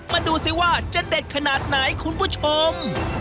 ดูสิว่าจะเด็ดขนาดไหนคุณผู้ชม